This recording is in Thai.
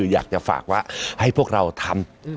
อยากจะฝากว่าให้พวกเราทำ